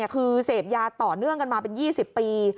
คือเสพยาต่อเนื่องกันมาเป็น๒๐ปี